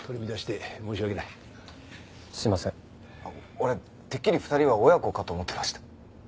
俺てっきり２人は親子かと思ってました。